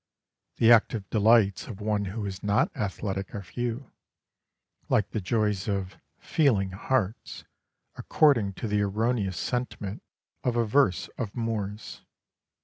The active delights of one who is not athletic are few, like the joys of "feeling hearts" according to the erroneous sentiment of a verse of Moore's.